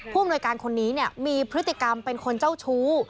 อำนวยการคนนี้มีพฤติกรรมเป็นคนเจ้าชู้